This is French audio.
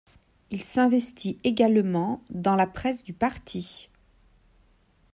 Il s'investit également dans la presse du parti.